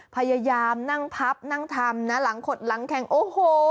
พยายามนั่งพับนั่งทำนะหลังขดหลังแข่งโอ้โห